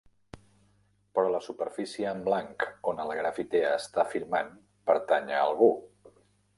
Però la superfície en blanc on el grafiter està firmant pertany a algú.